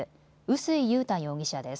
臼井裕太容疑者です。